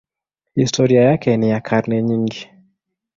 Historia yake ni ya karne nyingi.